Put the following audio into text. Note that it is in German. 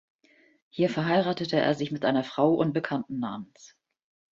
Hier verheiratete er sich mit einer Frau unbekannten Namens.